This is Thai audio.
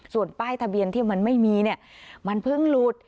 ส่วนป้ายทะเบียนที่มันไม่มีเนี่ยมันเพิ่งหลุด